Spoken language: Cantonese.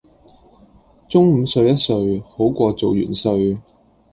中午睡一睡好過做元帥